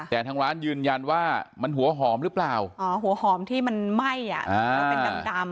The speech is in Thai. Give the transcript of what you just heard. แต่ทางร้านยืนยันว่ามันหัวหอมหรือเปล่าหัวหอมที่มันไม่อ่ะ